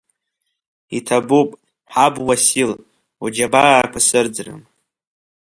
Иҭабуп, ҳаб Уасил, уџьабаақәа сырӡрым.